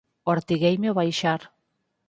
_Ortigueime ó baixar...